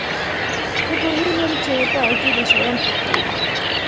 زه پوهیږم چې ته عجیبه شیان خوښوې.